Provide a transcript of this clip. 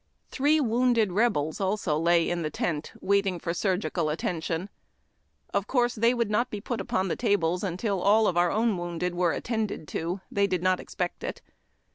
Three wounded Rebels also lay in the tent, waiting for surgical attention. Of course, they would not be put upon the tables until all of our own wounded were attended to ; they did not expect it.